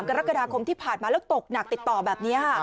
กรกฎาคมที่ผ่านมาแล้วตกหนักติดต่อแบบนี้ค่ะ